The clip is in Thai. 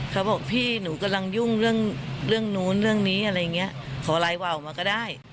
เขาบอกพี่หนูกำลังยุ่งเรื่องนู้นเรื่องนี้อะไรอย่างนี้ขอไลน์วาวมาก็ได้